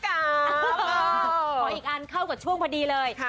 ขออีกอันเข้ากับช่วงพอดีเลย